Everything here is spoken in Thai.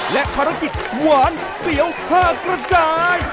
และภารกิจหวานเสียวผ้ากระจาย